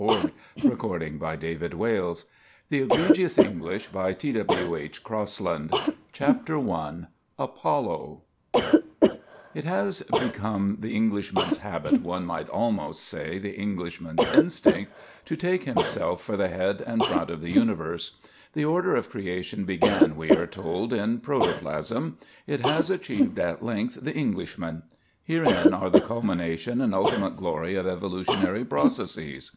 Stock Exchange 192 XXI. The Beloved 199 The Egregious English CHAPTER I APOLLO It has become the Englishman's habit, one might almost say the Englishman's instinct, to take himself for the head and front of the universe. The order of creation began, we are told, in protoplasm. It has achieved at length the Englishman. Herein are the culmination and ultimate glory of evolutionary processes.